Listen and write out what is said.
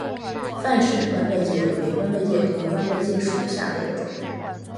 范蠡弯贝介为弯贝介科弯贝介属下的一个种。